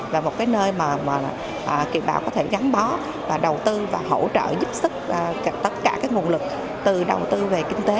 và một cái nơi mà kiều bào có thể gắn bó và đầu tư và hỗ trợ giúp sức tất cả các nguồn lực từ đầu tư về kinh tế